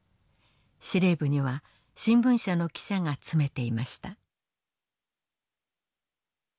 司令部には新聞社の記者が詰めていました。